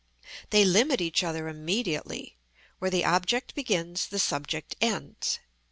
They limit each other immediately; where the object begins the subject ends.